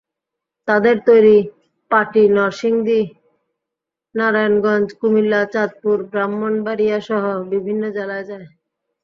তাঁদের তৈরি পাটি নরসিংদী, নারায়ণগঞ্জ, কুমিল্লা, চাঁদপুর, ব্রাহ্মণবাড়িয়াসহ বিভিন্ন জেলায় যায়।